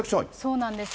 そうなんです。